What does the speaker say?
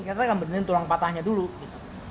kita akan benerin tulang patahnya dulu gitu